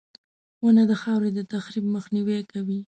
• ونه د خاورو د تخریب مخنیوی کوي.